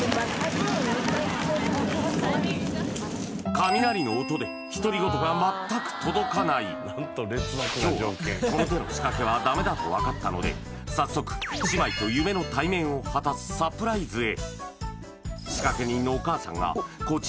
雷の音で独り言が全く届かないだと分かったので早速姉妹と夢の対面を果たすサプライズへ！